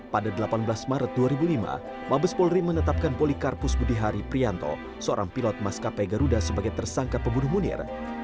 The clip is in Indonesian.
pada delapan belas maret dua ribu lima mabes polri menetapkan polikarpus budihari prianto seorang pilot maskapai garuda sebagai tersangka pembunuh munir